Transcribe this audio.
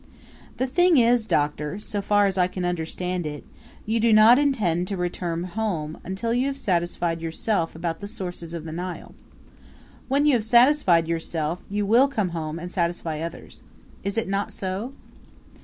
"The thing is, Doctor, so far as I can understand it, you do not intend to return home until you have satisfied yourself about the 'Sources of the Nile.' When you have satisfied yourself, you will come home and satisfy others. Is it not so?"